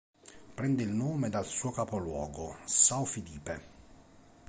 Prende il nome dal suo capoluogo, São Filipe.